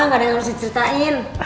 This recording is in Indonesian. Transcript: nggak ada yang harus diceritain